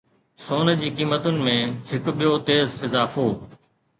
سون جي قيمتن ۾ هڪ ٻيو تيز اضافو